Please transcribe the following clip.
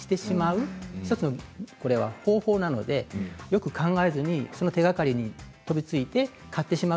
これは１つの方法なのでよく考えずにその手がかりに飛びついて買ってしまう。